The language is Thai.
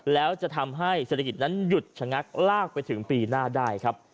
แล้วจะทำให้เศรษฐกิจนั้นหยุดชะงักลากไปถึงปีหน้าได้ครับ